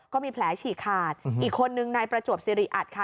ก็มีแผลฉีกขาดอีกคนนึงนายประจวบสิริอัตค่ะ